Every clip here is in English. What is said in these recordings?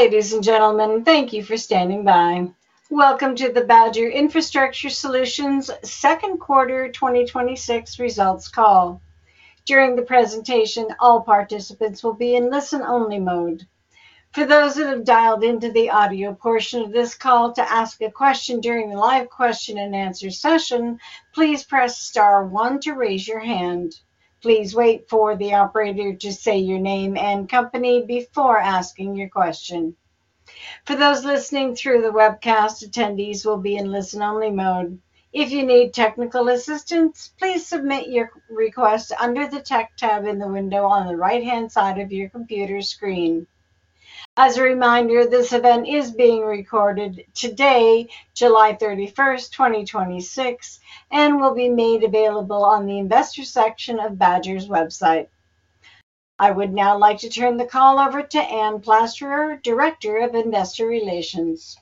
Ladies and gentlemen, thank you for standing by. Welcome to the Badger Infrastructure Solutions second quarter 2026 results call. During the presentation, all participants will be in listen-only mode. For those that have dialed into the audio portion of this call, to ask a question during the live question-and-answer session, please press star one to raise your hand. Please wait for the operator to say your name and company before asking your question. For those listening through the webcast, attendees will be in listen-only mode. If you need technical assistance, please submit your request under the tech tab in the window on the right-hand side of your computer screen. As a reminder, this event is being recorded today, July 31st, 2026, and will be made available on the investors section of Badger's website. I would now like to turn the call over to Anne Plasterer, Director of Investor Relations.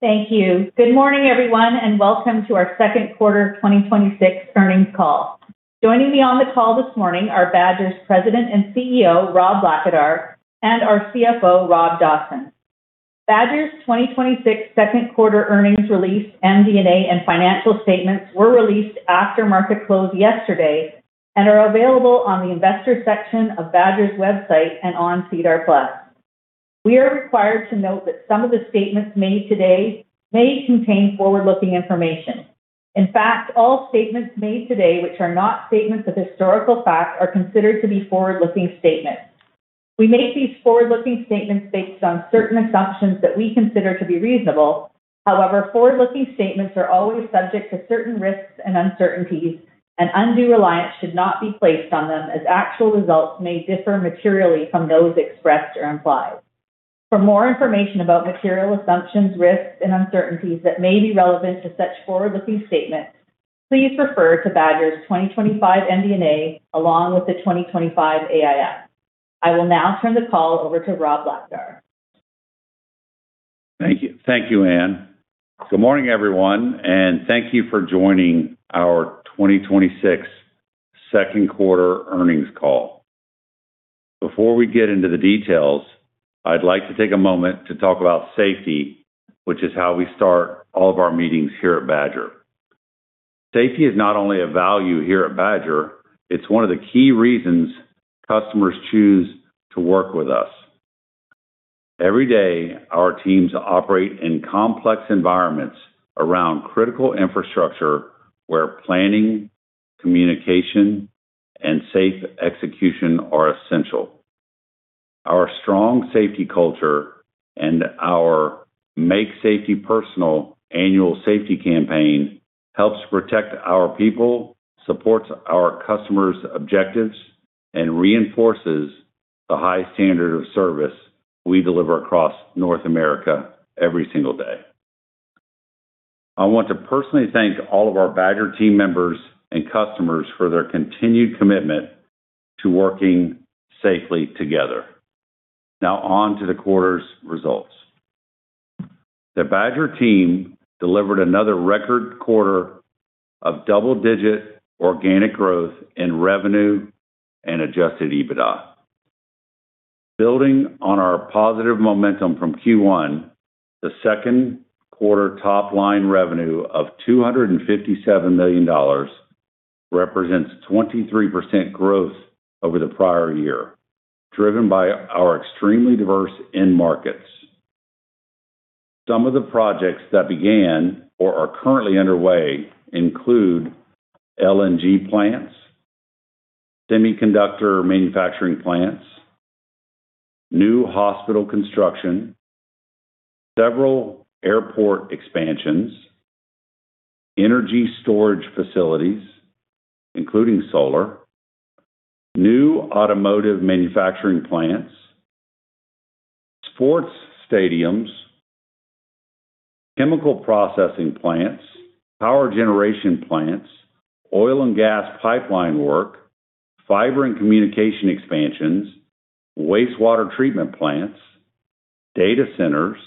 Thank you. Good morning, everyone, welcome to our second quarter 2026 earnings call. Joining me on the call this morning are Badger's President and CEO, Rob Blackadar, and our CFO, Rob Dawson. Badger's 2026 second quarter earnings release, MD&A, and financial statements were released after market close yesterday and are available on the investors section of Badger's website and on SEDAR+. We are required to note that some of the statements made today may contain forward-looking information. In fact, all statements made today, which are not statements of historical fact, are considered to be forward-looking statements. We make these forward-looking statements based on certain assumptions that we consider to be reasonable. Forward-looking statements are always subject to certain risks and uncertainties, and undue reliance should not be placed on them as actual results may differ materially from those expressed or implied. For more information about material assumptions, risks, and uncertainties that may be relevant to such forward-looking statements, please refer to Badger's 2025 MD&A along with the 2025 AIF. I will now turn the call over to Rob Blackadar. Thank you, Anne. Good morning, everyone, thank you for joining our 2026 second quarter earnings call. Before we get into the details, I'd like to take a moment to talk about safety, which is how we start all of our meetings here at Badger. Safety is not only a value here at Badger, it's one of the key reasons customers choose to work with us. Every day, our teams operate in complex environments around critical infrastructure where planning, communication, and safe execution are essential. Our strong safety culture and our Make Safety Personal annual safety campaign helps protect our people, supports our customers' objectives, and reinforces the high standard of service we deliver across North America every single day. I want to personally thank all of our Badger team members and customers for their continued commitment to working safely together. Now on to the quarter's results. The Badger team delivered another record quarter of double-digit organic growth in revenue and Adjusted EBITDA. Building on our positive momentum from Q1, the second quarter top-line revenue of 257 million dollars represents 23% growth over the prior year, driven by our extremely diverse end markets. Some of the projects that began or are currently underway include LNG plants, semiconductor manufacturing plants, new hospital construction, several airport expansions, energy storage facilities, including solar, new automotive manufacturing plants, sports stadiums, chemical processing plants, power generation plants, oil and gas pipeline work, fiber and communication expansions, wastewater treatment plants, data centers,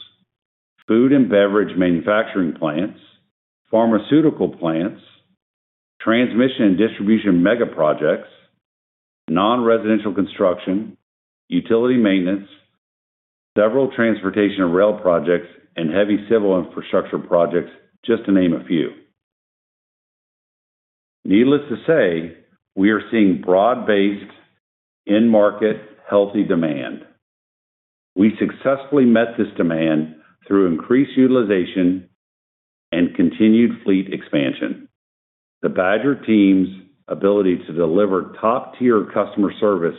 food and beverage manufacturing plants, pharmaceutical plants, transmission and distribution mega projects, non-residential construction, utility maintenance, several transportation and rail projects, and heavy civil infrastructure projects, just to name a few. Needless to say, we are seeing broad-based end market healthy demand. We successfully met this demand through increased utilization and continued fleet expansion. The Badger team's ability to deliver top-tier customer service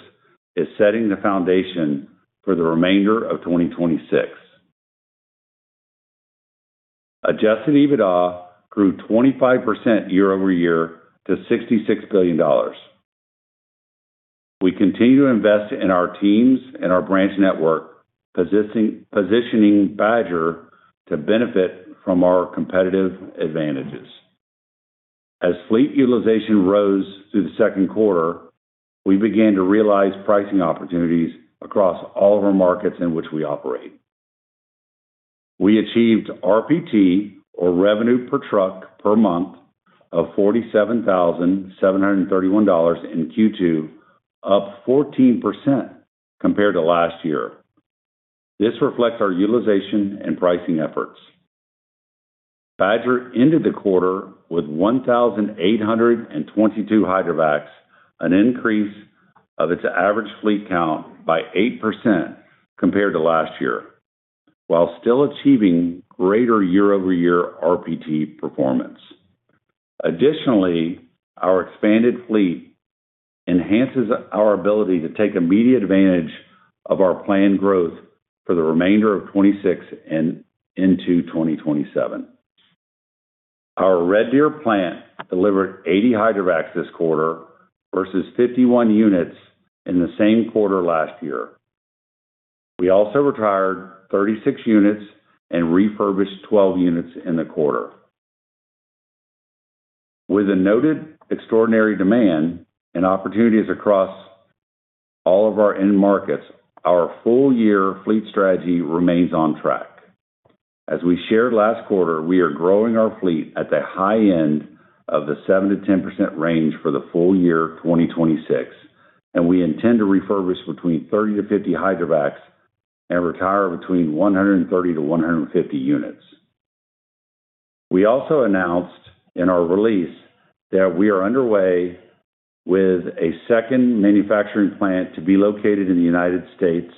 is setting the foundation for the remainder of 2026. Adjusted EBITDA grew 25% year-over-year to 66 billion dollars. We continue to invest in our teams and our branch network, positioning Badger to benefit from our competitive advantages. As fleet utilization rose through the second quarter, we began to realize pricing opportunities across all of our markets in which we operate. We achieved RPT, or revenue per truck per month, of 47,731 dollars in Q2, up 14% compared to last year. This reflects our utilization and pricing efforts. Badger ended the quarter with 1,822 hydrovacs, an increase of its average fleet count by 8% compared to last year, while still achieving greater year-over-year RPT performance. Additionally, our expanded fleet enhances our ability to take immediate advantage of our planned growth for the remainder of 2026 and into 2027. Our Red Deer plant delivered 80 hydrovacs this quarter versus 51 units in the same quarter last year. We also retired 36 units and refurbished 12 units in the quarter. With a noted extraordinary demand and opportunities across all of our end markets, our full year fleet strategy remains on track. As we shared last quarter, we are growing our fleet at the high end of the 7%-10% range for the full year 2026, and we intend to refurbish between 30-50 hydrovacs and retire between 130-150 units. We also announced in our release that we are underway with a second manufacturing plant to be located in the U.S.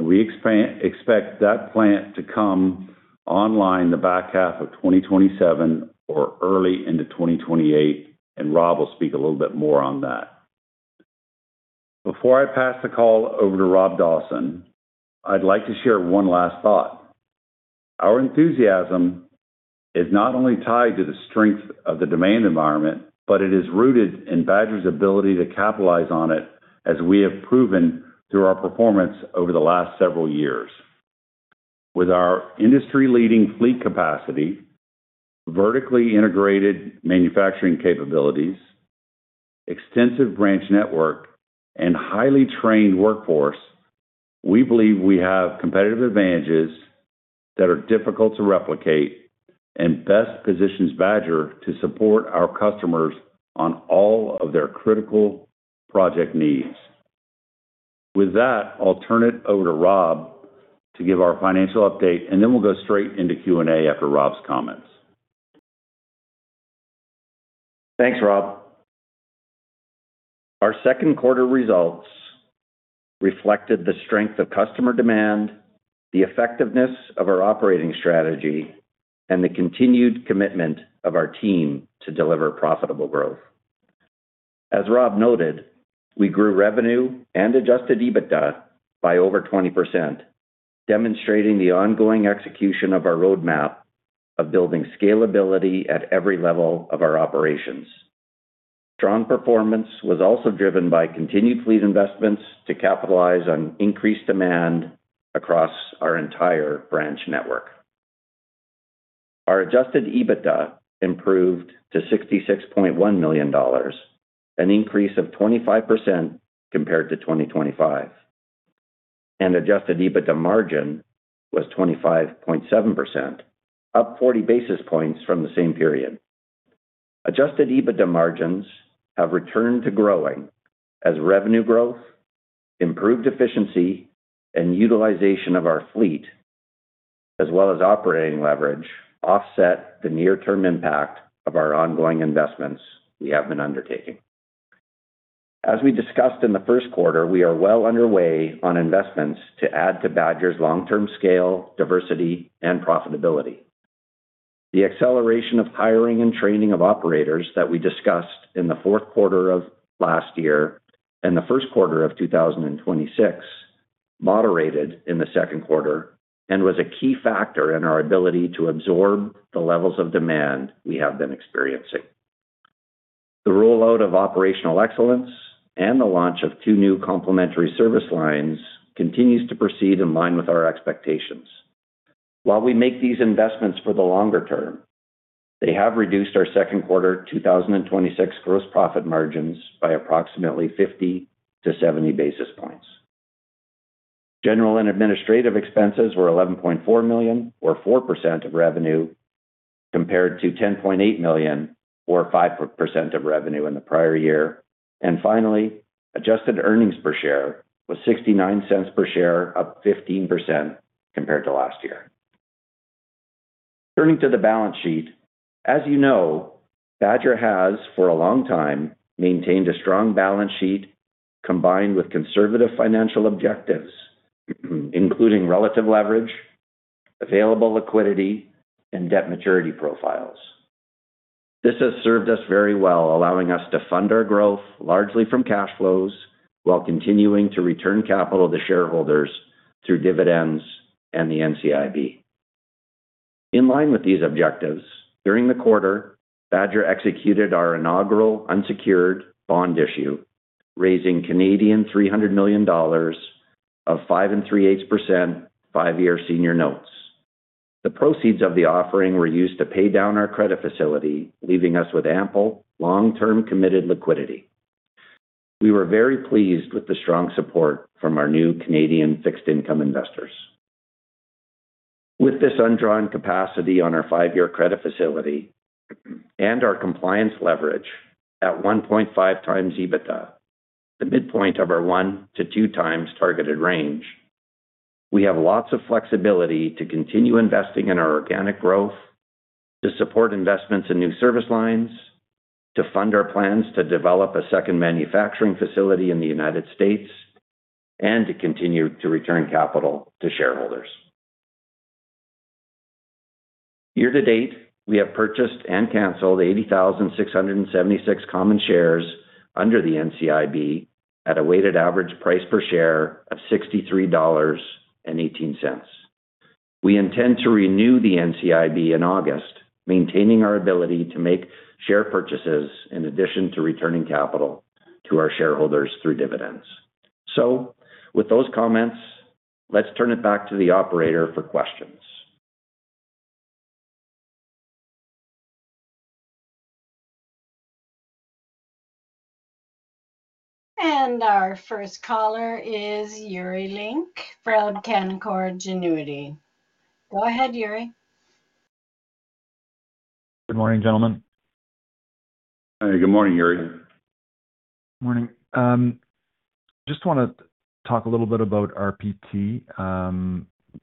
We expect that plant to come online the back half of 2027 or early into 2028, and Rob will speak a little bit more on that. Before I pass the call over to Rob Dawson, I'd like to share one last thought. Our enthusiasm is not only tied to the strength of the demand environment, but it is rooted in Badger's ability to capitalize on it as we have proven through our performance over the last several years. With our industry-leading fleet capacity, vertically integrated manufacturing capabilities, extensive branch network, and highly trained workforce, we believe we have competitive advantages that are difficult to replicate and best positions Badger to support our customers on all of their critical project needs. With that, I will turn it over to Rob to give our financial update, then we will go straight into Q&A after Rob's comments. Thanks, Rob. Our second quarter results reflected the strength of customer demand, the effectiveness of our operating strategy, and the continued commitment of our team to deliver profitable growth. As Rob noted, we grew revenue and adjusted EBITDA by over 20%, demonstrating the ongoing execution of our roadmap of building scalability at every level of our operations. Strong performance was also driven by continued fleet investments to capitalize on increased demand across our entire branch network. Our adjusted EBITDA improved to 66.1 million dollars, an increase of 25% compared to 2025. Adjusted EBITDA margin was 25.7%, up 40 basis points from the same period. Adjusted EBITDA margins have returned to growing as revenue growth, improved efficiency, and utilization of our fleet, as well as operating leverage offset the near-term impact of our ongoing investments we have been undertaking. As we discussed in the first quarter, we are well underway on investments to add to Badger's long-term scale, diversity, and profitability. The acceleration of hiring and training of operators that we discussed in the fourth quarter of last year and the first quarter of 2026 moderated in the second quarter and was a key factor in our ability to absorb the levels of demand we have been experiencing. The rollout of Operational Excellence and the launch of two new complementary service lines continues to proceed in line with our expectations. While we make these investments for the longer term, they have reduced our second quarter 2026 gross profit margins by approximately 50-70 basis points. General and administrative expenses were 11.4 million or 4% of revenue, compared to 10.8 million or 5% of revenue in the prior year. Finally, adjusted earnings per share was 0.69 per share, up 15% compared to last year. Turning to the balance sheet. As you know, Badger has, for a long time, maintained a strong balance sheet combined with conservative financial objectives, including relative leverage, available liquidity, and debt maturity profiles. This has served us very well, allowing us to fund our growth largely from cash flows while continuing to return capital to shareholders through dividends and the NCIB. In line with these objectives, during the quarter, Badger executed our inaugural unsecured bond issue, raising 300 million Canadian dollars of 5 3/8% five-year senior notes. The proceeds of the offering were used to pay down our credit facility, leaving us with ample long-term committed liquidity. We were very pleased with the strong support from our new Canadian fixed income investors. With this undrawn capacity on our five-year credit facility and our compliance leverage at 1.5x EBITDA, the midpoint of our 1x-2x targeted range, we have lots of flexibility to continue investing in our organic growth, to support investments in new service lines, to fund our plans to develop a second manufacturing facility in the United States, and to continue to return capital to shareholders. Year to date, we have purchased and canceled 80,676 common shares under the NCIB at a weighted average price per share of 63.18 dollars. We intend to renew the NCIB in August, maintaining our ability to make share purchases in addition to returning capital to our shareholders through dividends. With those comments, let's turn it back to the operator for questions. Our first caller is Yuri Lynk from Canaccord Genuity. Go ahead, Yuri. Good morning, gentlemen. Good morning, Yuri. Morning. Just want to talk a little bit about RPT.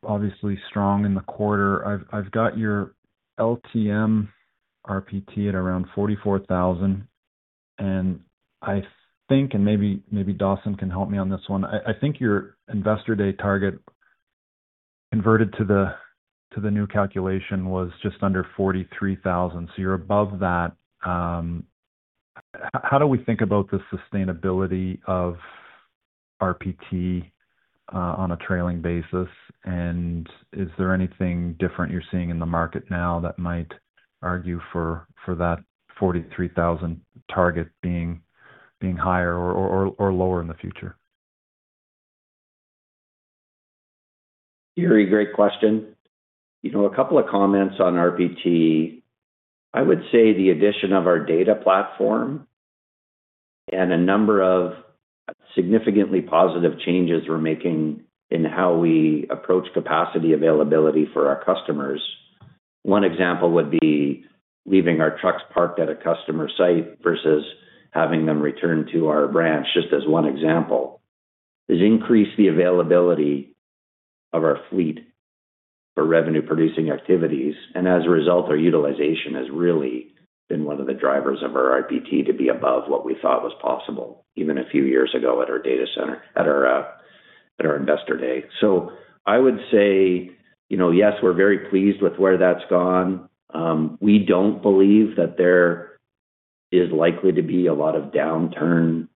Obviously strong in the quarter. I've got your LTM RPT at around 44,000, and I think, and maybe Dawson can help me on this one, I think your Investor Day target converted to the new calculation was just under 43,000. You're above that. How do we think about the sustainability of RPT on a trailing basis? Is there anything different you're seeing in the market now that might argue for that 43,000 target being higher or lower in the future? Yuri, great question. A couple of comments on RPT. I would say the addition of our data platform and a number of significantly positive changes we're making in how we approach capacity availability for our customers. One example would be leaving our trucks parked at a customer site versus having them return to our branch, just as one example, has increased the availability of our fleet for revenue-producing activities. As a result, our utilization has really been one of the drivers of our RPT to be above what we thought was possible even a few years ago at our Investor Day. I would say, yes, we're very pleased with where that's gone. We don't believe that there is likely to be a lot of downturn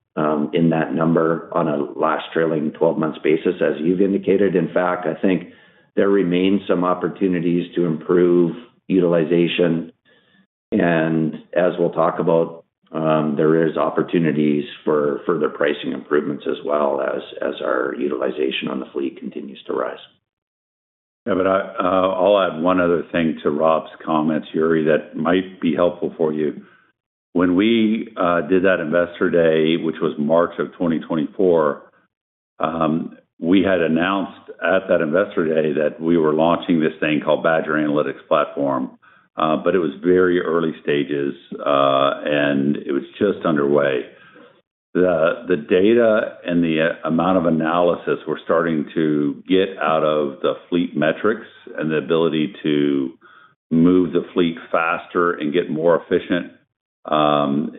in that number on a last trailing 12 months basis, as you've indicated. In fact, I think there remains some opportunities to improve utilization, and as we'll talk about, there is opportunities for further pricing improvements as well as our utilization on the fleet continues to rise. I'll add one other thing to Rob's comments, Yuri, that might be helpful for you. When we did that Investor Day, which was March of 2024, we had announced at that Investor Day that we were launching this thing called Badger Analytics Platform. It was very early stages, and it was just underway. The data and the amount of analysis we're starting to get out of the fleet metrics and the ability to move the fleet faster and get more efficient,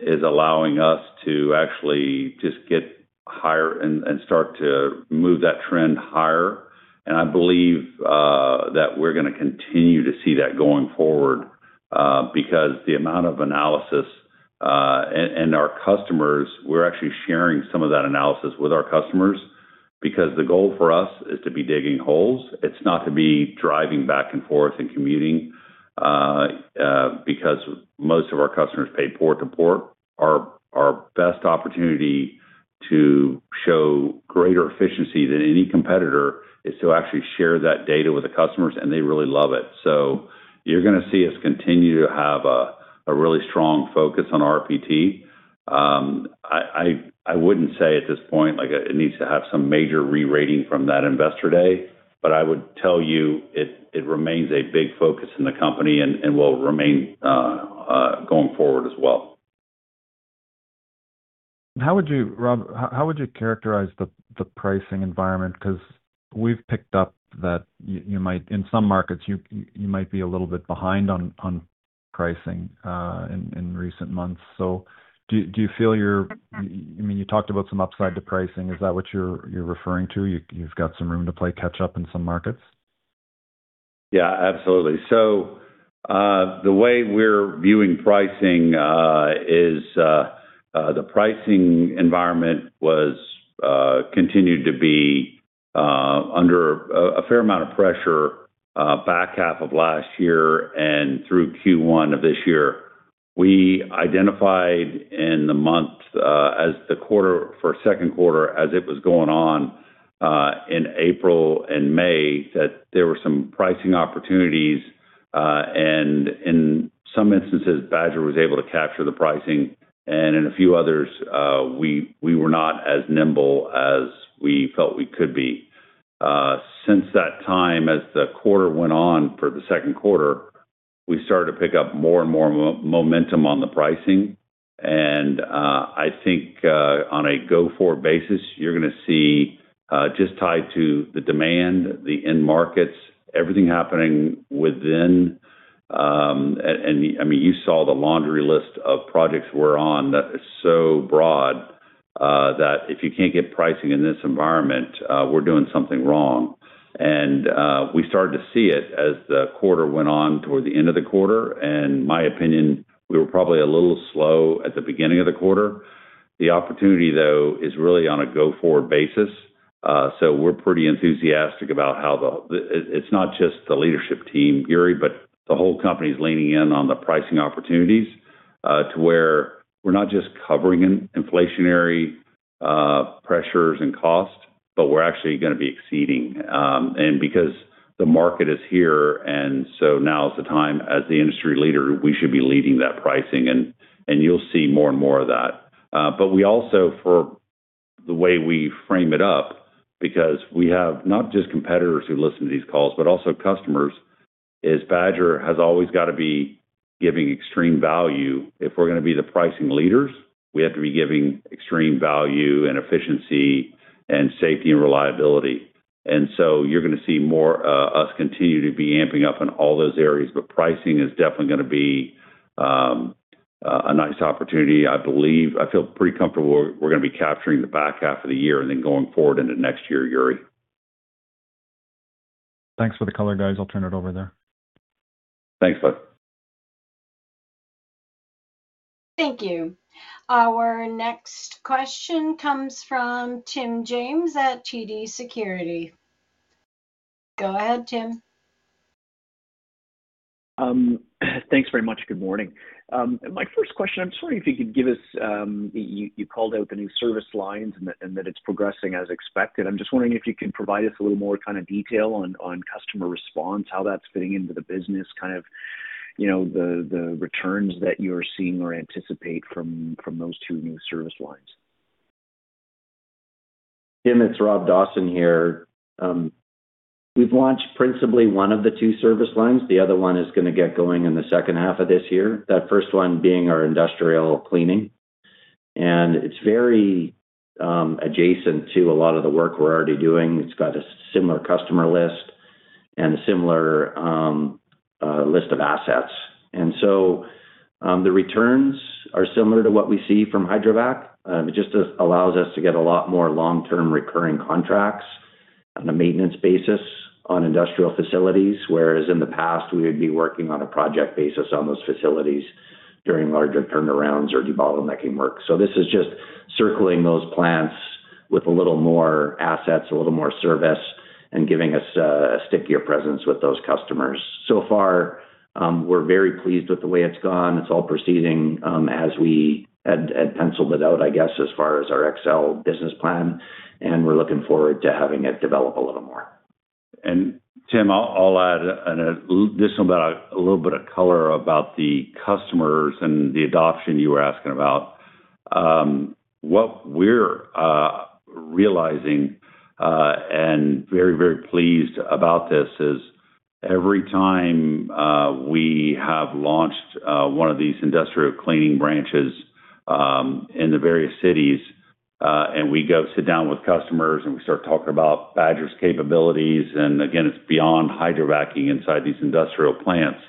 is allowing us to actually just get higher and start to move that trend higher. I believe that we're going to continue to see that going forward, because the amount of analysis, and our customers, we're actually sharing some of that analysis with our customers, because the goal for us is to be digging holes. It's not to be driving back and forth and commuting. Most of our customers pay port to port. Our best opportunity to show greater efficiency than any competitor is to actually share that data with the customers, and they really love it. You're going to see us continue to have a really strong focus on RPT. I wouldn't say at this point it needs to have some major re-rating from that Investor Day, but I would tell you it remains a big focus in the company and will remain going forward as well. Rob, how would you characterize the pricing environment? Because we've picked up that in some markets, you might be a little bit behind on pricing in recent months. Do you feel you talked about some upside to pricing? Is that what you're referring to? You've got some room to play catch up in some markets? Yeah, absolutely. The way we're viewing pricing is the pricing environment continued to be under a fair amount of pressure back half of last year and through Q1 of this year. We identified in the months for second quarter as it was going on. In April and May that there were some pricing opportunities, and in some instances, Badger was able to capture the pricing, and in a few others, we were not as nimble as we felt we could be. Since that time, as the quarter went on for the second quarter, we started to pick up more and more momentum on the pricing. I think on a go-forward basis, you're going to see just tied to the demand, the end markets, everything happening within. You saw the laundry list of projects we're on that is so broad, that if you can't get pricing in this environment, we're doing something wrong. We started to see it as the quarter went on toward the end of the quarter. My opinion, we were probably a little slow at the beginning of the quarter. The opportunity, though, is really on a go-forward basis. We're pretty enthusiastic about how it's not just the leadership team, Yuri, but the whole company is leaning in on the pricing opportunities to where we're not just covering inflationary pressures and cost, but we're actually going to be exceeding. Because the market is here, now is the time, as the industry leader, we should be leading that pricing, and you'll see more and more of that. We also, for the way we frame it up, because we have not just competitors who listen to these calls, but also customers, is Badger has always got to be giving extreme value. If we're going to be the pricing leaders, we have to be giving extreme value and efficiency and safety and reliability. You're going to see more us continue to be amping up in all those areas. Pricing is definitely going to be a nice opportunity. I feel pretty comfortable we're going to be capturing the back half of the year and then going forward into next year, Yuri. Thanks for the color, guys. I'll turn it over there. Thanks, bud. Thank you. Our next question comes from Tim James at TD Securities. Go ahead, Tim. Thanks very much. Good morning. My first question. You called out the new service lines and that it's progressing as expected. I'm just wondering if you can provide us a little more kind of detail on customer response, how that's fitting into the business, kind of the returns that you're seeing or anticipate from those two new service lines. Tim, it's Rob Dawson here. We've launched principally one of the two service lines. The other one is going to get going in the second half of this year. That first one being our industrial cleaning. It's very adjacent to a lot of the work we're already doing. It's got a similar customer list and a similar list of assets. The returns are similar to what we see from Hydrovac. It just allows us to get a lot more long-term recurring contracts on a maintenance basis on industrial facilities, whereas in the past, we would be working on a project basis on those facilities during larger turnarounds or debottlenecking work. This is just circling those plants with a little more assets, a little more service, and giving us a stickier presence with those customers. So far, we're very pleased with the way it's gone. It's all proceeding as we had penciled it out, I guess, as far as our Excel business plan, and we're looking forward to having it develop a little more. Tim, I'll add just a little bit of color about the customers and the adoption you were asking about. What we're realizing and very, very pleased about this is every time we have launched one of these industrial cleaning branches in the various cities, and we go sit down with customers, and we start talking about Badger's capabilities, and again, it's beyond hydrovacing inside these industrial plants.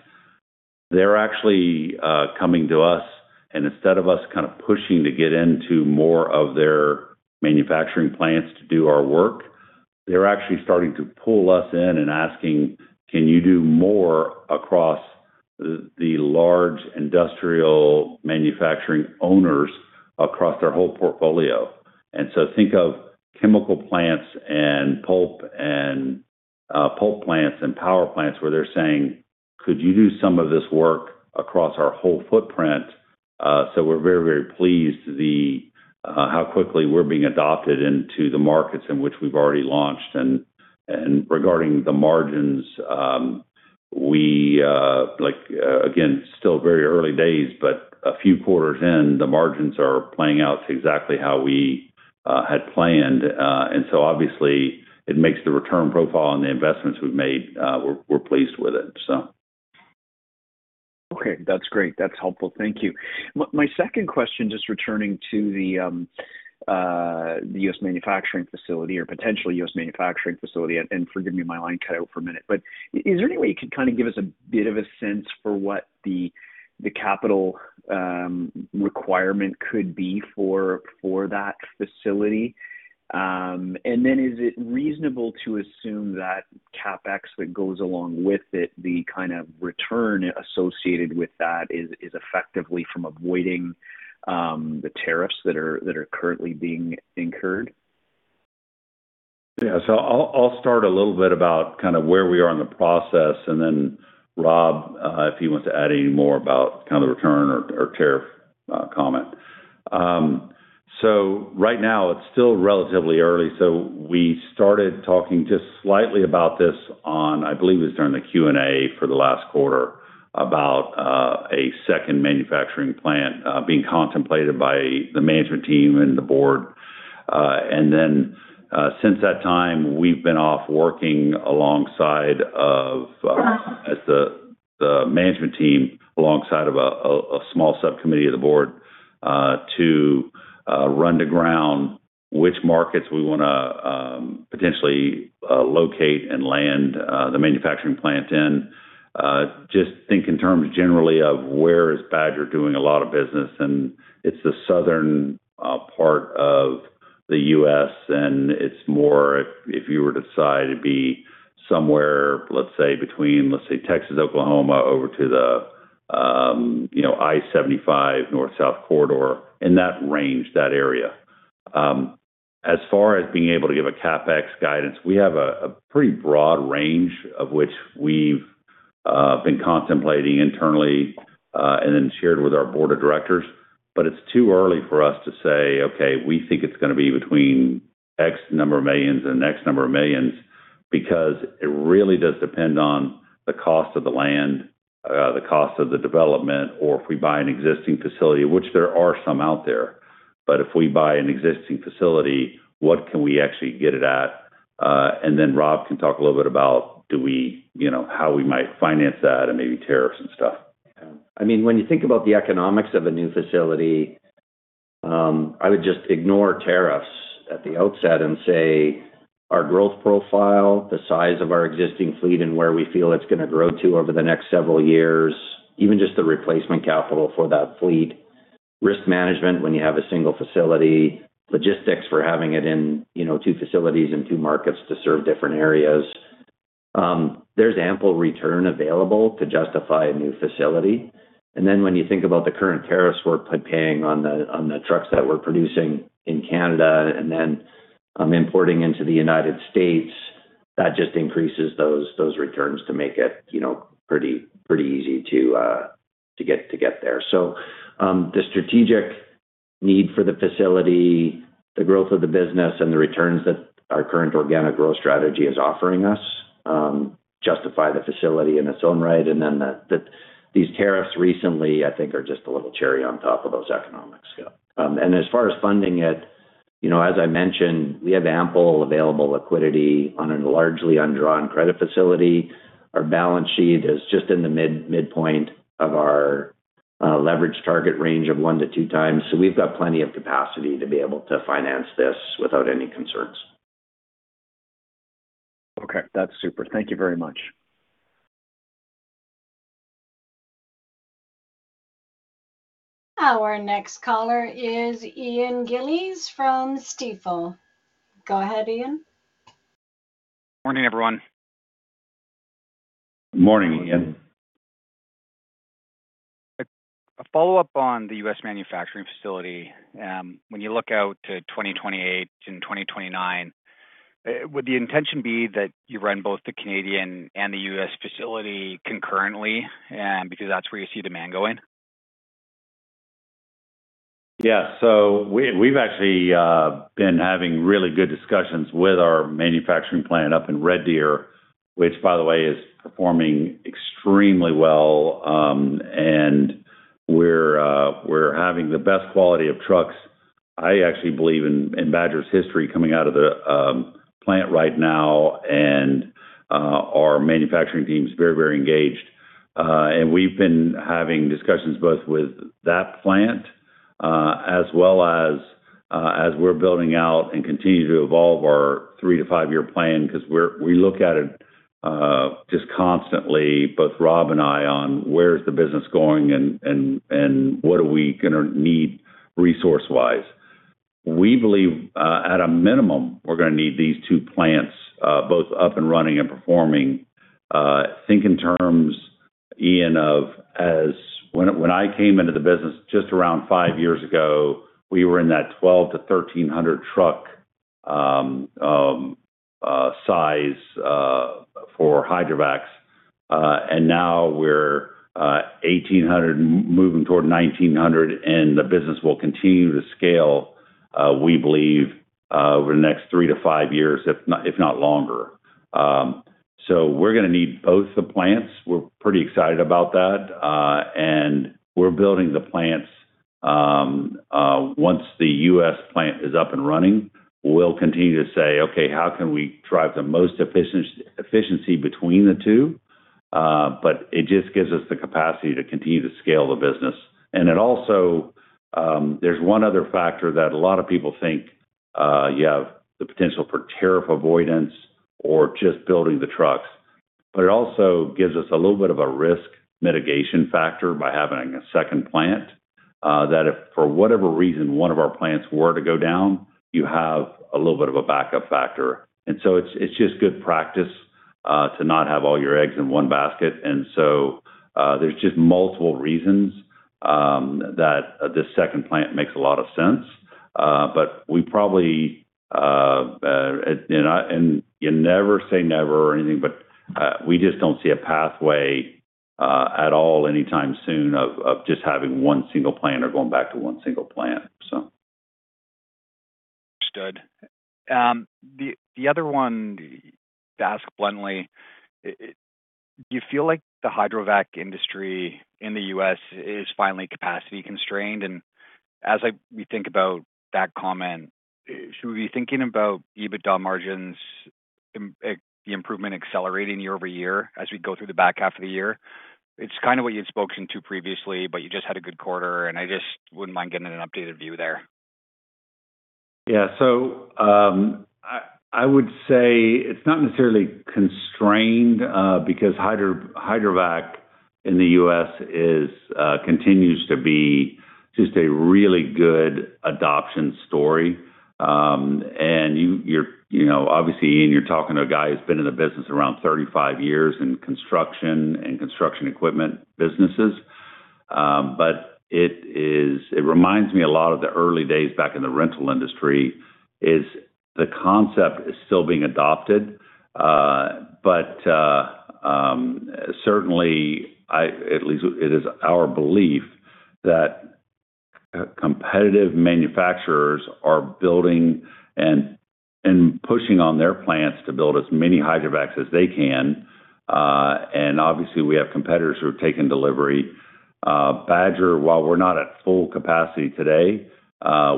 They're actually coming to us. Instead of us kind of pushing to get into more of their manufacturing plants to do our work, they're actually starting to pull us in and asking, "Can you do more across the large industrial manufacturing owners across their whole portfolio?" Think of chemical plants and pulp plants and power plants where they're saying, "Could you do some of this work across our whole footprint?" We're very, very pleased how quickly we're being adopted into the markets in which we've already launched. Regarding the margins, again, still very early days, but a few quarters in, the margins are playing out to exactly how we had planned. Obviously it makes the return profile on the investments we've made, we're pleased with it. Okay. That's great. That's helpful. Thank you. My second question, just returning to the U.S. manufacturing facility or potential U.S. manufacturing facility. Forgive me, my line cut out for a minute, but is there any way you could kind of give us a bit of a sense for what the capital requirement could be for that facility? Is it reasonable to assume that CapEx that goes along with it, the kind of return associated with that is effectively from avoiding the tariffs that are currently being incurred? Yeah. I'll start a little bit about kind of where we are in the process, and then Rob, if he wants to add any more about kind of the return or tariff comment. Right now it's still relatively early. We started talking just slightly about this on, I believe it was during the Q&A for the last quarter, about a second manufacturing plant being contemplated by the management team and the board. Since that time, we've been off working alongside of the management team, alongside of a small subcommittee of the board, to run to ground which markets we want to potentially locate and land the manufacturing plant in. Just think in terms generally of where is Badger doing a lot of business. It's the southern part of the U.S., and it's more, if you were to decide, it'd be somewhere, let's say between, let's say Texas, Oklahoma over to the I-75 north-south corridor, in that range, that area. As far as being able to give a CapEx guidance, we have a pretty broad range of which we've been contemplating internally and shared with our board of directors. It's too early for us to say, "Okay, we think it's going to be between X number of millions and X number of millions," because it really does depend on the cost of the land, the cost of the development, or if we buy an existing facility, which there are some out there. If we buy an existing facility, what can we actually get it at? Rob can talk a little bit about how we might finance that and maybe tariffs and stuff. Yeah. When you think about the economics of a new facility, I would just ignore tariffs at the outset and say our growth profile, the size of our existing fleet and where we feel it's going to grow to over the next several years, even just the replacement capital for that fleet, risk management when you have a single facility, logistics for having it in two facilities and two markets to serve different areas. There's ample return available to justify a new facility. When you think about the current tariffs we're paying on the trucks that we're producing in Canada and then importing into the U.S., that just increases those returns to make it pretty easy to get there. The strategic need for the facility, the growth of the business, and the returns that our current organic growth strategy is offering us justify the facility in its own right. These tariffs recently, I think, are just a little cherry on top of those economics. As far as funding it, as I mentioned, we have ample available liquidity on a largely undrawn credit facility. Our balance sheet is just in the midpoint of our leverage target range of 1x-2x. We've got plenty of capacity to be able to finance this without any concerns. Okay. That's super. Thank you very much. Our next caller is Ian Gillies from Stifel. Go ahead, Ian. Morning, everyone. Morning, Ian. A follow-up on the U.S. manufacturing facility. When you look out to 2028 and 2029, would the intention be that you run both the Canadian and the U.S. facility concurrently because that's where you see demand going? Yeah. We've actually been having really good discussions with our manufacturing plant up in Red Deer, which by the way, is performing extremely well. We're having the best quality of trucks, I actually believe, in Badger's history coming out of the plant right now. Our manufacturing team is very engaged. We've been having discussions both with that plant, as well as we're building out and continue to evolve our three to five-year plan because we look at it just constantly, both Rob and I, on where is the business going and what are we going to need resource-wise. We believe, at a minimum, we're going to need these two plants both up and running and performing. Think in terms, Ian, of when I came into the business just around five years ago, we were in that 1,200 to 1,300 truck size for hydrovacs. Now we're 1,800, moving toward 1,900, and the business will continue to scale, we believe, over the next three to five years, if not longer. We're going to need both the plants. We're pretty excited about that. We're building the plants. Once the U.S. plant is up and running, we'll continue to say, "Okay, how can we drive the most efficiency between the two?" It just gives us the capacity to continue to scale the business. It also, there's one other factor that a lot of people think you have the potential for tariff avoidance or just building the trucks. It also gives us a little bit of a risk mitigation factor by having a second plant, that if for whatever reason one of our plants were to go down, you have a little bit of a backup factor. It's just good practice to not have all your eggs in one basket. There's just multiple reasons that this second plant makes a lot of sense. We probably, and you never say never or anything, we just don't see a pathway at all anytime soon of just having one single plant or going back to one single plant. Understood. The other one, to ask bluntly, do you feel like the hydrovac industry in the U.S. is finally capacity constrained? As we think about that comment, should we be thinking about EBITDA margins, the improvement accelerating year-over-year as we go through the back half of the year? You just had a good quarter, and I just wouldn't mind getting an updated view there. Yeah. I would say it's not necessarily constrained because hydrovac in the U.S. continues to be just a really good adoption story. Obviously, Ian, you're talking to a guy who's been in the business around 35 years in construction and construction equipment businesses. It reminds me a lot of the early days back in the rental industry, is the concept is still being adopted. Certainly, at least it is our belief, that competitive manufacturers are building and pushing on their plants to build as many hydrovacs as they can. Obviously we have competitors who have taken delivery. Badger, while we're not at full capacity today,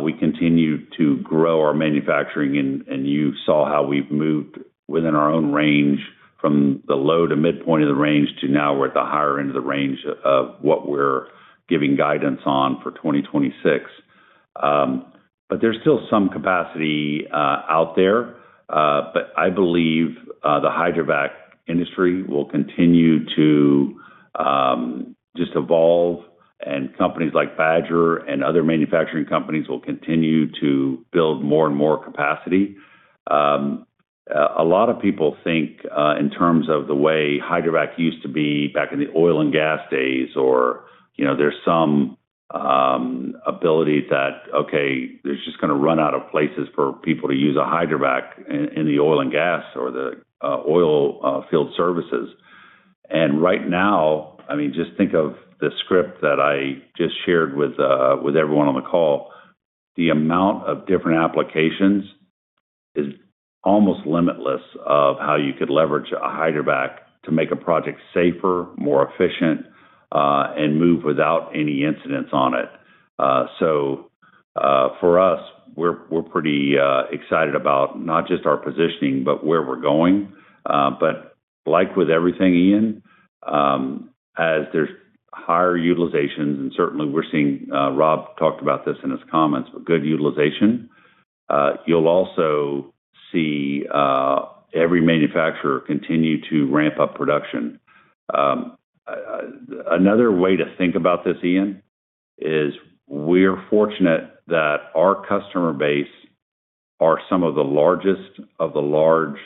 we continue to grow our manufacturing and you saw how we've moved within our own range from the low to mid-point of the range to now we're at the higher end of the range of what we're giving guidance on for 2026. There's still some capacity out there. I believe the hydrovac industry will continue to just evolve and companies like Badger and other manufacturing companies will continue to build more and more capacity. A lot of people think in terms of the way hydrovac used to be back in the oil and gas days, or there's some ability that, okay, there's just going to run out of places for people to use a hydrovac in the oil and gas or the oil field services. Right now, just think of the script that I just shared with everyone on the call. The amount of different applications is almost limitless of how you could leverage a hydrovac to make a project safer, more efficient, and move without any incidents on it. For us, we're pretty excited about not just our positioning, but where we're going. Like with everything, Ian, as there's higher utilizations, and certainly we're seeing Rob talked about this in his comments, but good utilization. You'll also see every manufacturer continue to ramp up production. Another way to think about this, Ian, is we're fortunate that our customer base are some of the largest of the large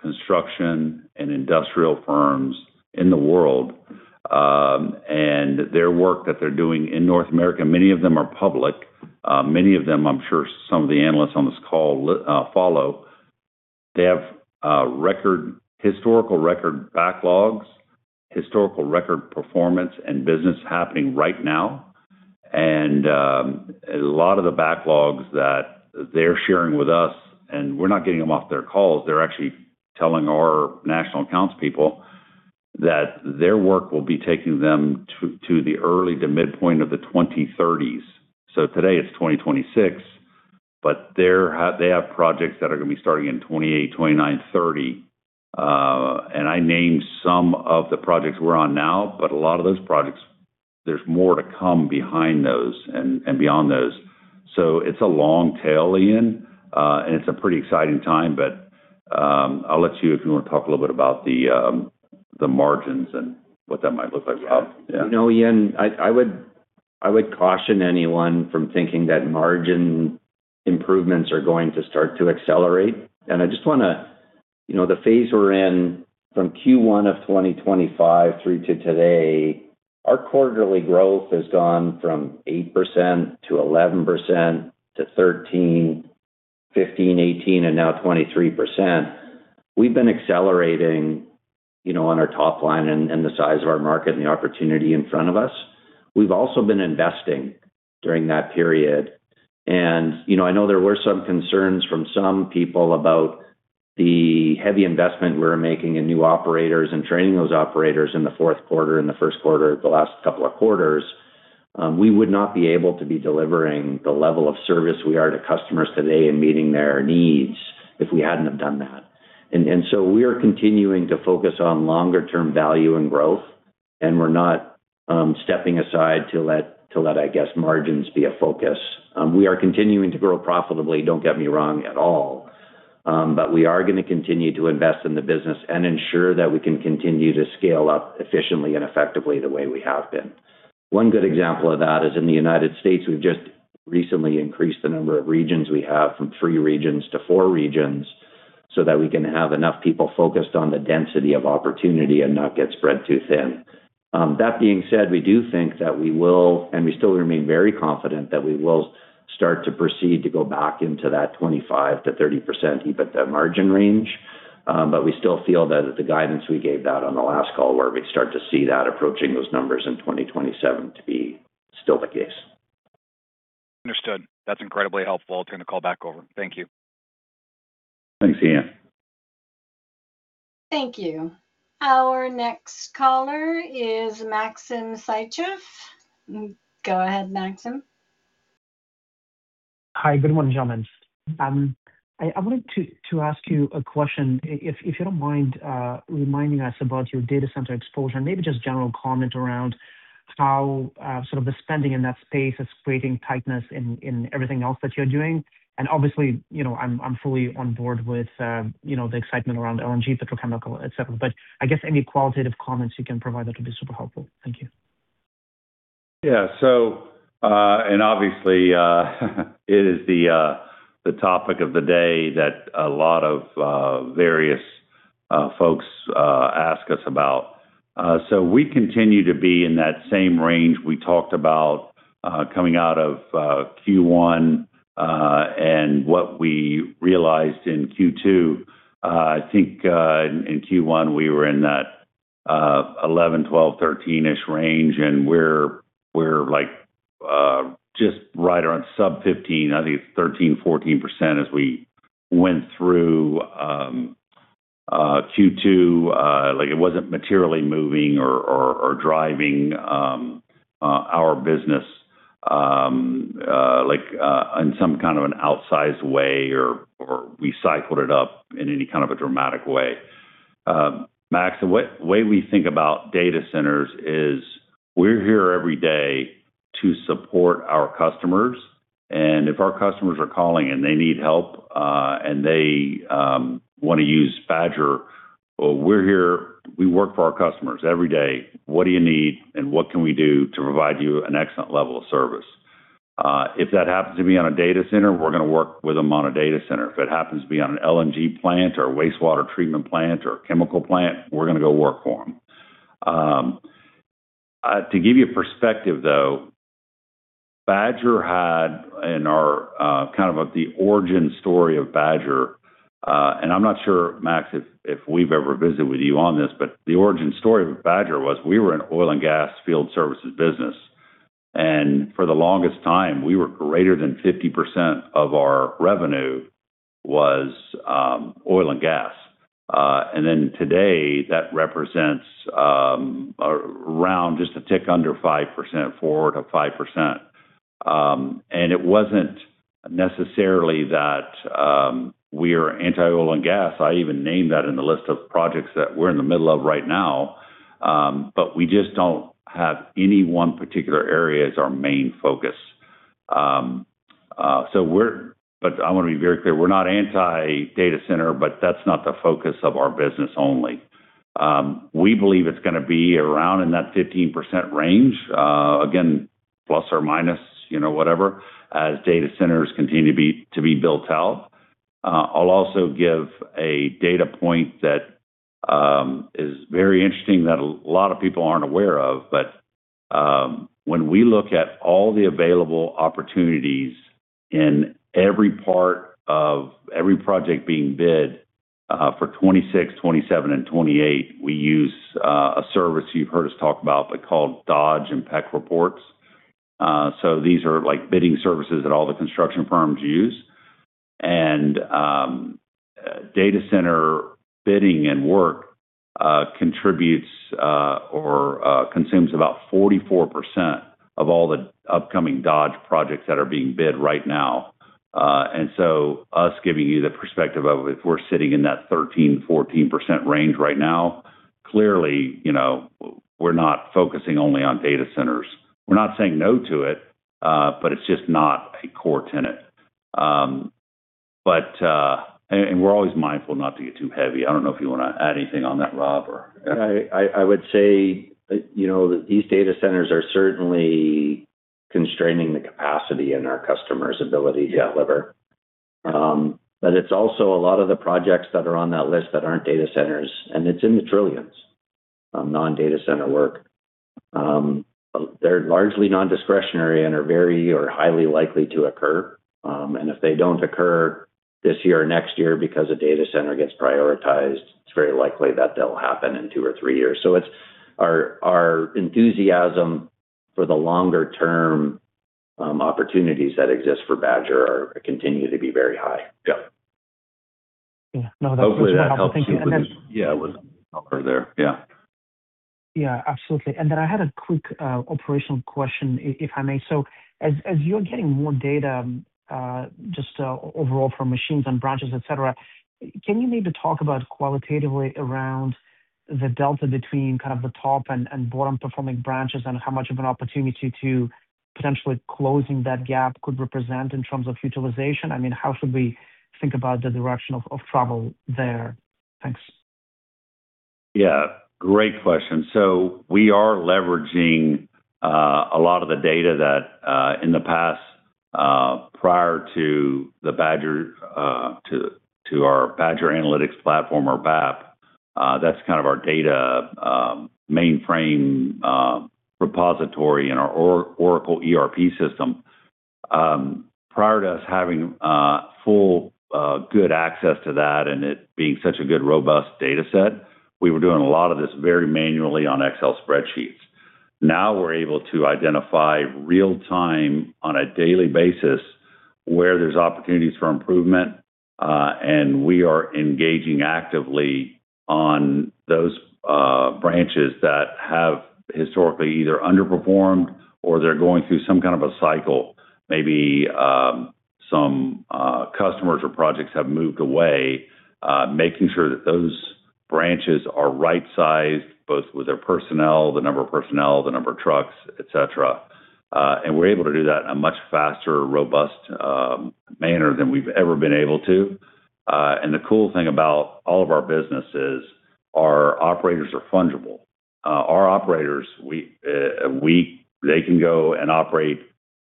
construction and industrial firms in the world. Their work that they're doing in North America, many of them are public. Many of them, I'm sure some of the analysts on this call follow. They have historical record backlogs, historical record performance, and business happening right now. A lot of the backlogs that they're sharing with us, and we're not getting them off their calls, they're actually telling our national accounts people that their work will be taking them to the early to mid-point of the 2030s. Today it's 2026, but they have projects that are going to be starting in 2028, 2029, 2030. I named some of the projects we're on now, but a lot of those projects, there's more to come behind those and beyond those. It's a long tail, Ian. It's a pretty exciting time. I'll let you, if you want to talk a little bit about the margins and what that might look like, Rob. Yeah. Ian, I would caution anyone from thinking that margin improvements are going to start to accelerate. The phase we're in from Q1 of 2025 through to today, our quarterly growth has gone from 8% to 11% to 13%, 15%, 18%, and now 23%. We've been accelerating on our top line and the size of our market and the opportunity in front of us. We've also been investing during that period. I know there were some concerns from some people about the heavy investment we were making in new operators and training those operators in the fourth quarter and the first quarter, the last couple of quarters. We would not be able to be delivering the level of service we are to customers today and meeting their needs if we hadn't have done that. We are continuing to focus on longer-term value and growth, and we're not stepping aside to let margins be a focus. We are continuing to grow profitably, don't get me wrong at all. We are going to continue to invest in the business and ensure that we can continue to scale up efficiently and effectively the way we have been. One good example of that is in the United States, we've just recently increased the number of regions we have from three regions to four regions so that we can have enough people focused on the density of opportunity and not get spread too thin. That being said, we do think that we will, and we still remain very confident that we will start to proceed to go back into that 25%-30% EBITDA margin range. We still feel that the guidance we gave out on the last call, where we'd start to see that approaching those numbers in 2027 to be still the case. Understood. That's incredibly helpful. Turn the call back over. Thank you. Thanks, Ian. Thank you. Our next caller is Maxim Sytchev. Go ahead, Maxim. Hi. Good morning, gentlemen. I wanted to ask you a question, if you don't mind reminding us about your data center exposure, and maybe just a general comment around how the spending in that space is creating tightness in everything else that you're doing. Obviously, I'm fully on board with the excitement around LNG, petrochemical, et cetera. I guess any qualitative comments you can provide, that'll be super helpful. Thank you. Obviously, it is the topic of the day that a lot of various folks ask us about. We continue to be in that same range we talked about coming out of Q1, and what we realized in Q2. I think, in Q1, we were in that 11%, 12%, 13%-ish range, and we're just right around sub 15%, I think it's 13%, 14% as we went through Q2. It wasn't materially moving or driving our business in some kind of an outsized way, or we cycled it up in any kind of a dramatic way. Max, the way we think about data centers is we're here every day to support our customers, and if our customers are calling and they need help, and they want to use Badger, well, we're here. We work for our customers every day. What do you need, and what can we do to provide you an excellent level of service? If that happens to be on a data center, we're going to work with them on a data center. If it happens to be on an LNG plant or a wastewater treatment plant or a chemical plant, we're going to go work for them. To give you a perspective, though, kind of the origin story of Badger, and I'm not sure, Max, if we've ever visited with you on this, but the origin story of Badger was we were an oil and gas field services business. For the longest time, we were greater than 50% of our revenue was oil and gas. Today, that represents around just a tick under 5%, 4%-5%. It wasn't necessarily that we're anti-oil and gas. I even named that in the list of projects that we're in the middle of right now. We just don't have any one particular area as our main focus. I want to be very clear, we're not anti-data center, but that's not the focus of our business only. We believe it's going to be around in that 15% range. Again, plus or minus whatever as data centers continue to be built out. I'll also give a data point that is very interesting that a lot of people aren't aware of. When we look at all the available opportunities in every part of every project being bid for 2026, 2027, and 2028, we use a service you've heard us talk about, but called Dodge and PEC Reports. These are bidding services that all the construction firms use. Data center bidding and work contributes or consumes about 44% of all the upcoming Dodge projects that are being bid right now. Us giving you the perspective of if we're sitting in that 13%, 14% range right now, clearly, we're not focusing only on data centers. We're not saying no to it. It's just not a core tenet. We're always mindful not to get too heavy. I don't know if you want to add anything on that, Rob. I would say these data centers are certainly constraining the capacity in our customers' ability to deliver. It's also a lot of the projects that are on that list that aren't data centers, and it's in the trillions, non-data center work. They're largely nondiscretionary and are very or highly likely to occur. If they don't occur this year or next year because a data center gets prioritized, it's very likely that they'll happen in two or three years. Our enthusiasm for the longer-term opportunities that exist for Badger continue to be very high. Yeah. Yeah. No, that's helpful. Thank you. Hopefully that helps you. Yeah, it was there. Yeah. Yeah, absolutely. Then I had a quick operational question, if I may. As you're getting more data just overall from machines and branches, et cetera, can you maybe talk about qualitatively around the delta between kind of the top and bottom-performing branches and how much of an opportunity to potentially closing that gap could represent in terms of utilization? How should we think about the direction of travel there? Thanks. Yeah. Great question. We are leveraging a lot of the data that in the past prior to our Badger Analytics Platform or BAP. That's kind of our data mainframe repository and our Oracle ERP system. Prior to us having full good access to that and it being such a good, robust data set, we were doing a lot of this very manually on Excel spreadsheets. Now we're able to identify real time on a daily basis where there's opportunities for improvement. We are engaging actively on those branches that have historically either underperformed or they're going through some kind of a cycle. Maybe some customers or projects have moved away, making sure that those branches are right-sized, both with their personnel, the number of personnel, the number of trucks, et cetera. We're able to do that in a much faster, robust manner than we've ever been able to. The cool thing about all of our business is our operators are fungible. Our operators, they can go and operate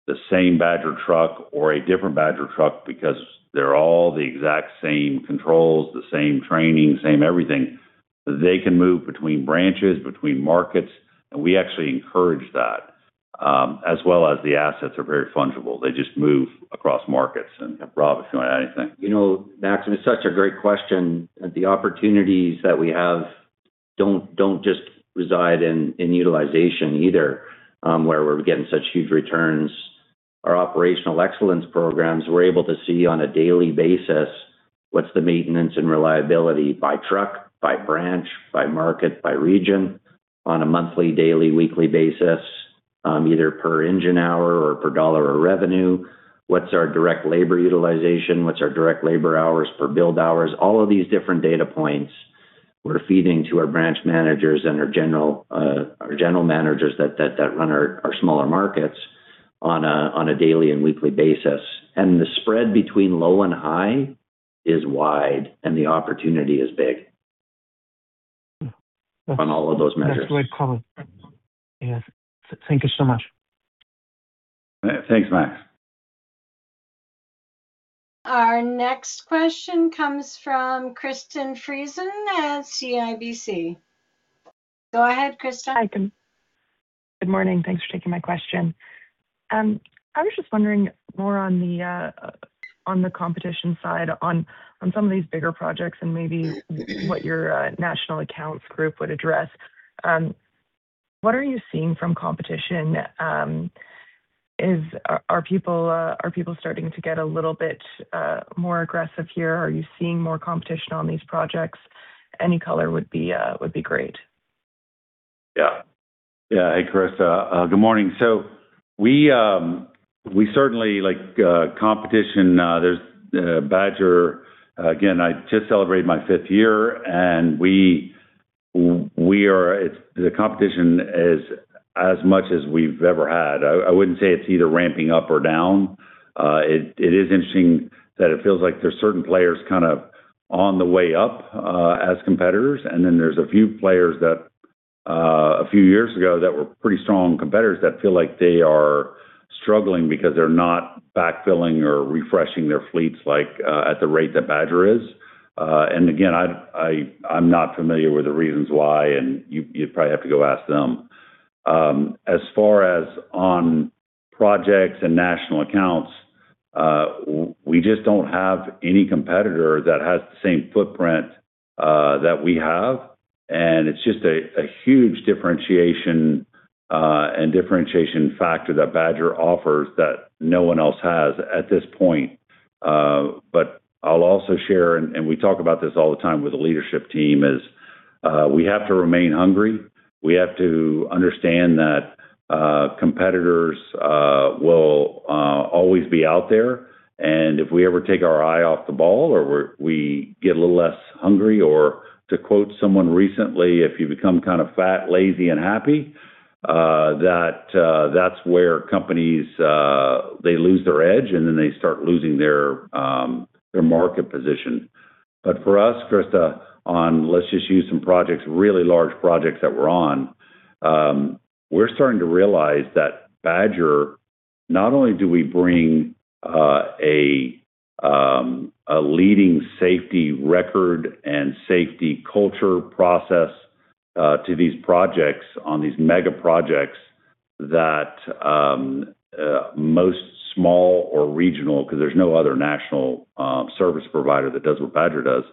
the same Badger truck or a different Badger truck because they're all the exact same controls, the same training, same everything. They can move between branches, between markets, and we actually encourage that. As well as the assets are very fungible. They just move across markets. Rob, if you want to add anything. Max, it's such a great question. The opportunities that we have don't just reside in utilization either, where we're getting such huge returns. Our Operational Excellence programs, we're able to see on a daily basis what's the maintenance and reliability by truck, by branch, by market, by region on a monthly, daily, weekly basis either per engine hour or per dollar of revenue. What's our direct labor utilization? What's our direct labor hours per billed hours? All of these different data points we're feeding to our branch managers and our general managers that run our smaller markets on a daily and weekly basis. The spread between low and high is wide, and the opportunity is big on all of those measures. That's a great comment. Yes. Thank you so much. Thanks, Max. Our next question comes from Krista Friesen at CIBC. Go ahead, Krista. Hi. Good morning. Thanks for taking my question. I was just wondering more on the competition side on some of these bigger projects and maybe what your national accounts group would address. What are you seeing from competition? Are people starting to get a little bit more aggressive here? Are you seeing more competition on these projects? Any color would be great. Yeah. Hey, Krista. Good morning. We certainly like competition. Badger, again, I just celebrated my fifth year, and the competition is as much as we've ever had. I wouldn't say it's either ramping up or down. It is interesting that it feels like there's certain players kind of on the way up as competitors, and then there's a few players that a few years ago that were pretty strong competitors that feel like they are struggling because they're not backfilling or refreshing their fleets at the rate that Badger is. Again, I'm not familiar with the reasons why, and you'd probably have to go ask them. As far as on projects and national accounts, we just don't have any competitor that has the same footprint that we have. It's just a huge differentiation and differentiation factor that Badger offers that no one else has at this point. I'll also share, we talk about this all the time with the leadership team, is we have to remain hungry. We have to understand that competitors will always be out there. If we ever take our eye off the ball or we get a little less hungry, or to quote someone recently, "If you become kind of fat, lazy, and happy," that's where companies, they lose their edge, then they start losing their market position. For us, Krista, on let's just use some projects, really large projects that we're on. We're starting to realize that Badger, not only do we bring a leading safety record and safety culture process to these projects on these mega projects that most small or regional, because there's no other national service provider that does what Badger does,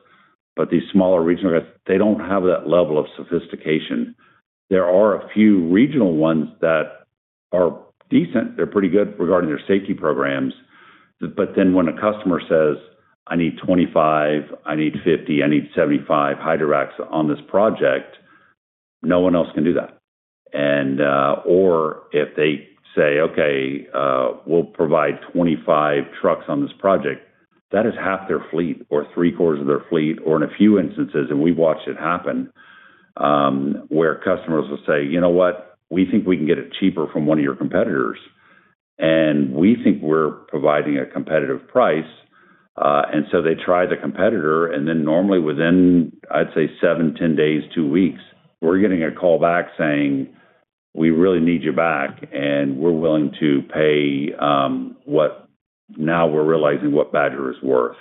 these smaller regional guys, they don't have that level of sophistication. There are a few regional ones that are decent. They're pretty good regarding their safety programs. When a customer says, "I need 25, I need 50, I need 75 hydrovacs on this project," no one else can do that. If they say, "Okay, we'll provide 25 trucks on this project," that is half their fleet or 3/4 of their fleet, or in a few instances, we've watched it happen, where customers will say, "You know what? We think we can get it cheaper from one of your competitors. We think we're providing a competitive price." They try the competitor, normally within, I'd say seven, 10 days, two weeks, we're getting a call back saying "We really need you back, and we're willing to pay what now we're realizing what Badger is worth."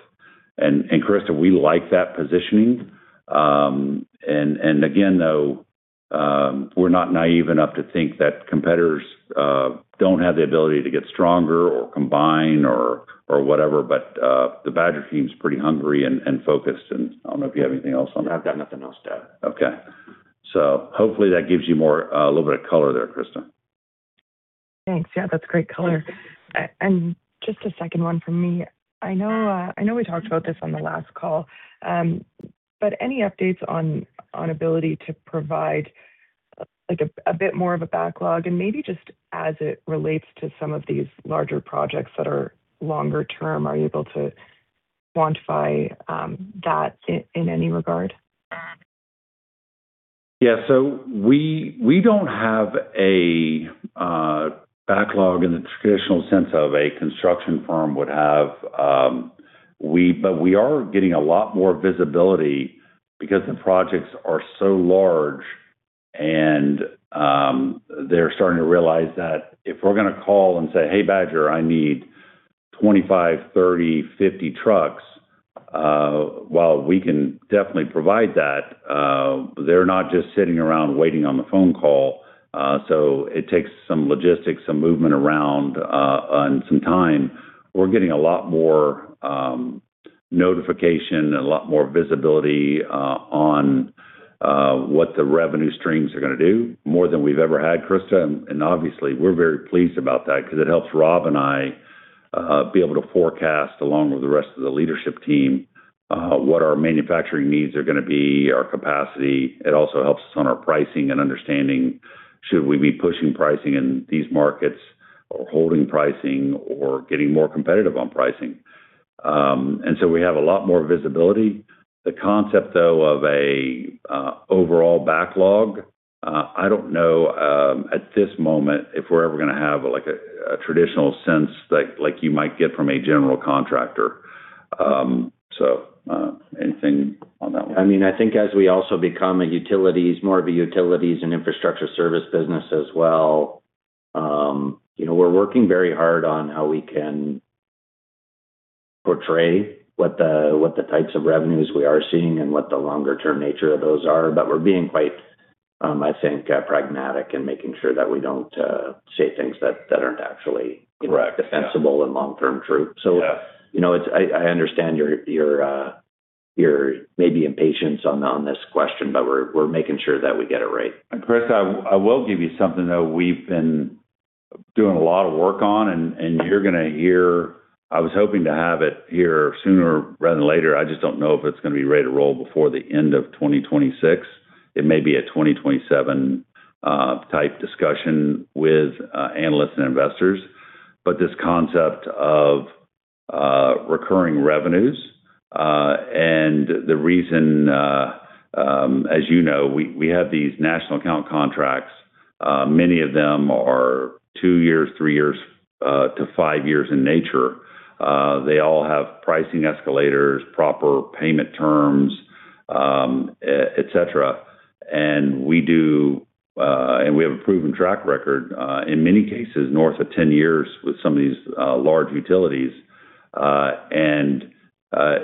Krista, we like that positioning. Again, though, we're not naive enough to think that competitors don't have the ability to get stronger or combine or whatever, the Badger team's pretty hungry and focused. I don't know if you have anything else on that. I've got nothing else to add. Okay. Hopefully that gives you a little bit of color there, Krista. Thanks. Yeah, that's great color. Just a second one from me. I know we talked about this on the last call, any updates on ability to provide a bit more of a backlog and maybe just as it relates to some of these larger projects that are longer term. Are you able to quantify that in any regard? Yeah. We don't have a backlog in the traditional sense of a construction firm would have. We are getting a lot more visibility because the projects are so large, and they're starting to realize that if we're going to call and say, "Hey, Badger, I need 25, 30, 50 trucks," while we can definitely provide that, they're not just sitting around waiting on the phone call. It takes some logistics, some movement around, and some time. We're getting a lot more notification, a lot more visibility on what the revenue streams are going to do, more than we've ever had, Krista, and obviously, we're very pleased about that because it helps Rob and I be able to forecast along with the rest of the leadership team, what our manufacturing needs are going to be, our capacity. It also helps us on our pricing and understanding should we be pushing pricing in these markets or holding pricing or getting more competitive on pricing. We have a lot more visibility. The concept, though, of an overall backlog, I don't know at this moment if we're ever going to have a traditional sense like you might get from a general contractor. Anything on that one? I think as we also become more of a utilities and infrastructure service business as well, we're working very hard on how we can portray what the types of revenues we are seeing and what the longer term nature of those are. We're being quite, I think, pragmatic in making sure that we don't say things that aren't actually defensible and long term true. Yeah. I understand your maybe impatience on this question, we're making sure that we get it right. Krista, I will give you something, though, we've been doing a lot of work on, and you're going to hear. I was hoping to have it here sooner rather than later. I just don't know if it's going to be ready to roll before the end of 2026. It may be a 2027-type discussion with analysts and investors. This concept of recurring revenues. The reason, as you know, we have these national account contracts. Many of them are two years, three years to five years in nature. They all have pricing escalators, proper payment terms, et cetera. We have a proven track record, in many cases, north of 10 years with some of these large utilities.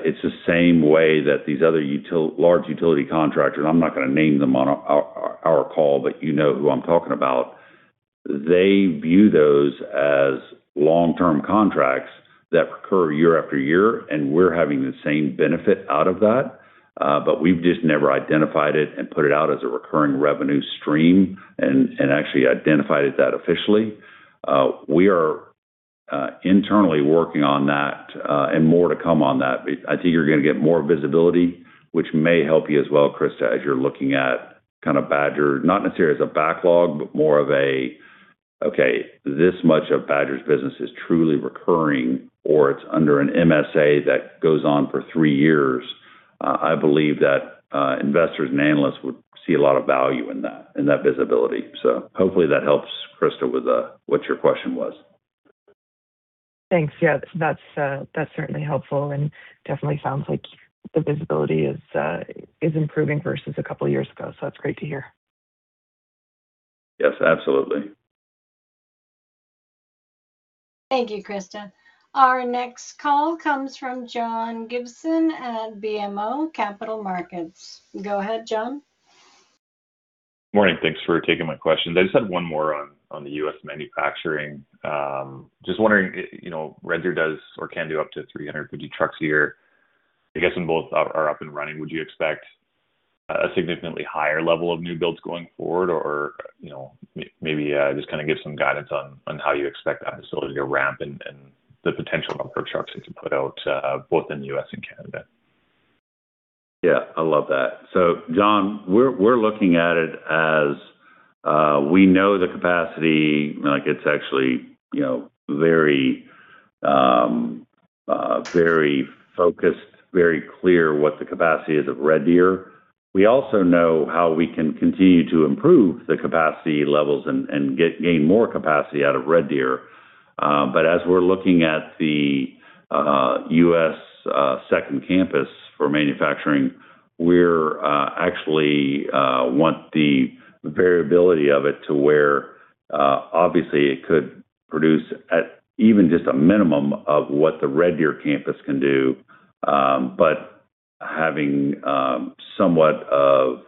It's the same way that these other large utility contractors, I'm not going to name them on our call, but you know who I'm talking about. They view those as long-term contracts that recur year after year, and we're having the same benefit out of that. We've just never identified it and put it out as a recurring revenue stream and actually identified it that officially. We are internally working on that, and more to come on that. I think you're going to get more visibility, which may help you as well, Krista, as you're looking at Badger, not necessarily as a backlog, but more of a, "Okay, this much of Badger's business is truly recurring," or it's under an MSA that goes on for three years. I believe that investors and analysts would see a lot of value in that visibility. Hopefully that helps, Krista, with what your question was. Thanks. Yeah. That's certainly helpful and definitely sounds like the visibility is improving versus a couple of years ago, that's great to hear. Yes, absolutely. Thank you, Krista. Our next call comes from John Gibson at BMO Capital Markets. Go ahead, John. Morning. Thanks for taking my question. I just had one more on the U.S. manufacturing. Just wondering, Red Deer does or can do up to 350 trucks a year. I guess when both are up and running, would you expect a significantly higher level of new builds going forward, or maybe just kind of give some guidance on how you expect that facility to ramp and the potential number of trucks it can put out both in the U.S. and Canada. Yeah, I love that. John, we're looking at it as we know the capacity, it's actually very focused, very clear what the capacity is of Red Deer. We also know how we can continue to improve the capacity levels and gain more capacity out of Red Deer. As we're looking at the U.S. second campus for manufacturing, we actually want the variability of it to where, obviously, it could produce at even just a minimum of what the Red Deer campus can do, but having somewhat of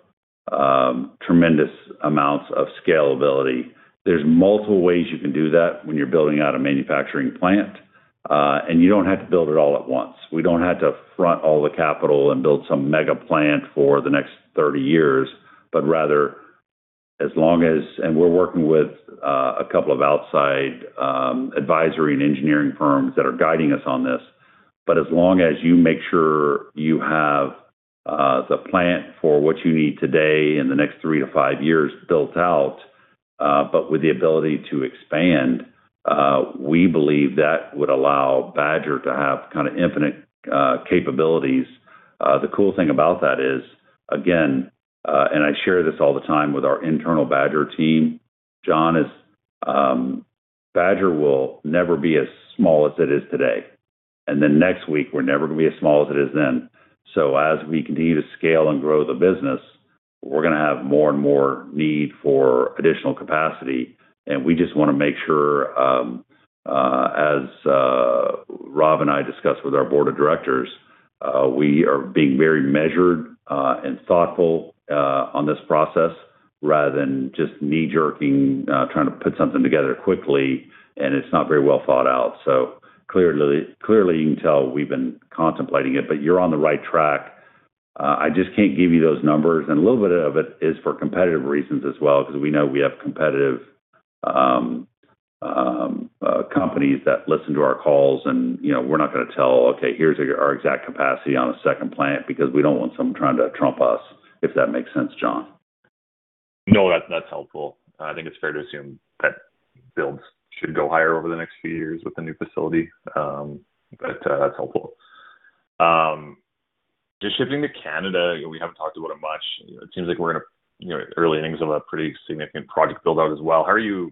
tremendous amounts of scalability. There's multiple ways you can do that when you're building out a manufacturing plant. You don't have to build it all at once. We don't have to front all the capital and build some mega plant for the next 30 years. Rather, we're working with a couple of outside advisory and engineering firms that are guiding us on this. As long as you make sure you have the plant for what you need today in the next three to five years built out, but with the ability to expand, we believe that would allow Badger to have kind of infinite capabilities. The cool thing about that is, again, I share this all the time with our internal Badger team, John, is Badger will never be as small as it is today. Next week, we're never going to be as small as it is then. As we continue to scale and grow the business, we are going to have more and more need for additional capacity, and we just want to make sure, as Rob and I discussed with our board of directors, we are being very measured and thoughtful on this process rather than just knee-jerking, trying to put something together quickly and it is not very well thought out. Clearly, you can tell we have been contemplating it, but you are on the right track. I just can't give you those numbers. A little bit of it is for competitive reasons as well, because we know we have competitive companies that listen to our calls and we are not going to tell, "Okay, here is our exact capacity on a second plant," because we don't want someone trying to trump us. If that makes sense, John. No, that's helpful. I think it's fair to assume that builds should go higher over the next few years with the new facility. That's helpful. Just shifting to Canada, we haven't talked about it much. It seems like we're in the early innings of a pretty significant project build-out as well. How are you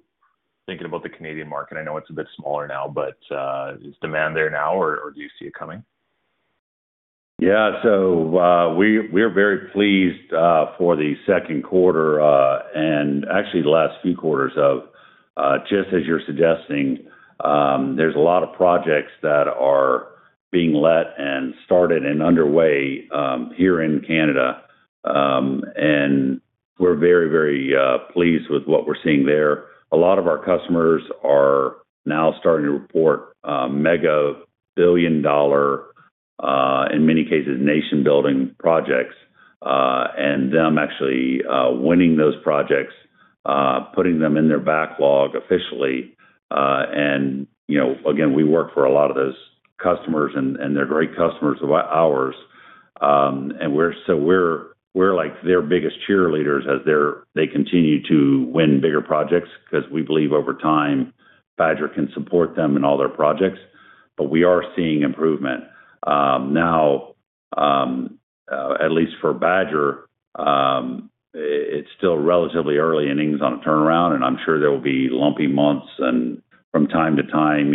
thinking about the Canadian market? I know it's a bit smaller now, but is demand there now, or do you see it coming? Yeah. We're very pleased for the second quarter, and actually the last few quarters of, just as you're suggesting, there's a lot of projects that are being let and started and underway here in Canada. We're very pleased with what we're seeing there. A lot of our customers are now starting to report mega billion-dollar, in many cases, nation-building projects. Them actually winning those projects, putting them in their backlog officially. Again, we work for a lot of those customers, and they're great customers of ours. We're like their biggest cheerleaders as they continue to win bigger projects, because we believe over time, Badger can support them in all their projects. We are seeing improvement. Now, at least for Badger, it's still relatively early innings on a turnaround, and I'm sure there will be lumpy months from time to time.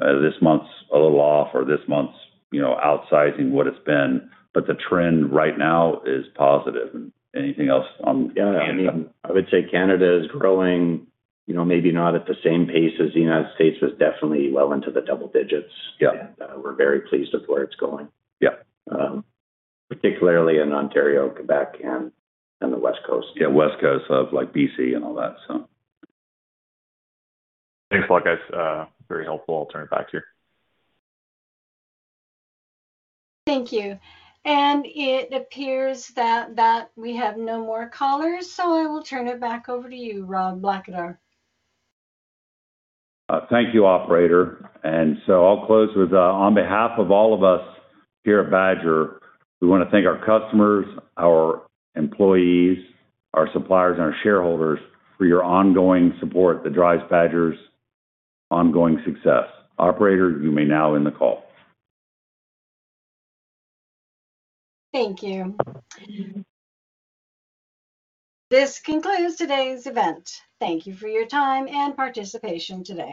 This month's a little off or this month's outsizing what it's been. The trend right now is positive. Anything else on Canada? Yeah. I would say Canada is growing, maybe not at the same pace as the U.S., but it's definitely well into the double digits. Yeah. We're very pleased with where it's going. Yeah. Particularly in Ontario, Quebec, and the West Coast. Yeah, West Coast of B.C. and all that. Thanks a lot, guys. Very helpful. I'll turn it back to you. Thank you. It appears that we have no more callers, so I will turn it back over to you, Rob Blackadar. Thank you, operator. I'll close with, on behalf of all of us here at Badger, we want to thank our customers, our employees, our suppliers, and our shareholders for your ongoing support that drives Badger's ongoing success. Operator, you may now end the call. Thank you. This concludes today's event. Thank you for your time and participation today.